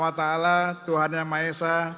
semoga allah swt tuhan yang maha esa